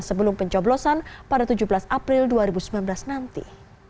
sebelum pencoblosan pada tujuh belas april dua ribu sembilan belas nanti